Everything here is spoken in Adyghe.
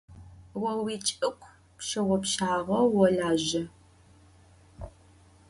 О уичӏыгу пщыгъупшагъэу олажьэ.